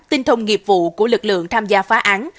tinh thông nghiệp vụ của lực lượng tham gia phá án